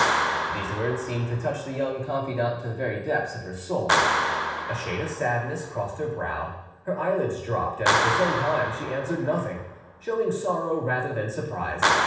These words seemed to touch the young confidante to the very depths of her soul; a shade of sadness crossed her brow, her eyelids dropped, and for some time she answered nothing, showing sorrow rather than surprise.